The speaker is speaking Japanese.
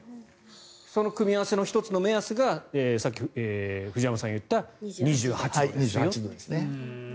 その組み合わせの１つの目安がさっき藤山さんが言った２８度ですよと。